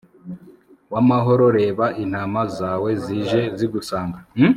w'amahoro, reba intama zawe, zije zigusanga